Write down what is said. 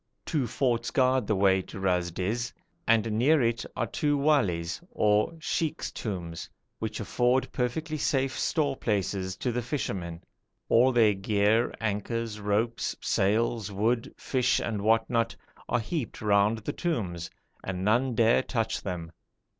Two forts guard the way to Ras Dis, and near it are two wali's or sheikh's tombs which afford perfectly safe store places to the fishermen. All their gear, anchors, ropes, sails, wood, fish, and what not are heaped round the tombs, and none dare touch them.